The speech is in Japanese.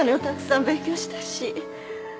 たくさん勉強したし